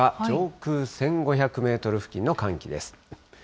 上空１５００メートル付近の寒気です。